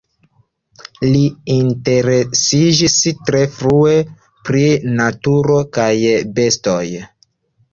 Li interesiĝis tre frue pri naturo kaj bestoj.